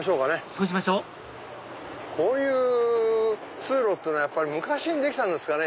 そうしましょうこういう通路というのはやっぱり昔にできたんですかね。